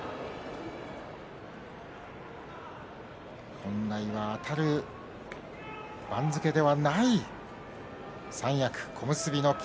本来はあたる番付ではない三役小結の霧